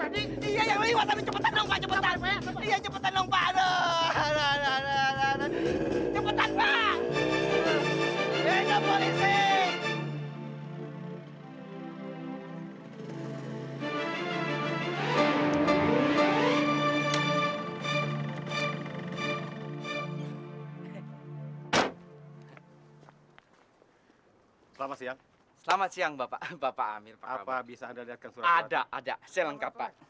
ada ada saya lengkap pak